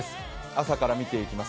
朝から見ていきます。